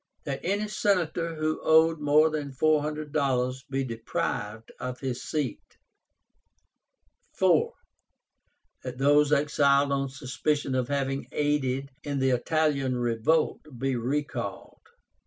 That any Senator who owed more than four hundred dollars be deprived of his seat. 4. That those exiled on suspicion of having aided in the Italian revolt be recalled.